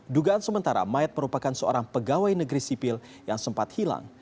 dugaan sementara mayat merupakan seorang pegawai negeri sipil yang sempat hilang